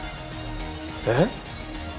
えっ？